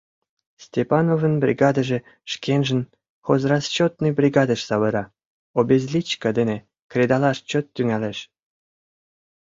Степановын бригадыже шкенжым хозрасчётный бригадыш савыра, обезличка дене кредалаш чот тӱҥалеш.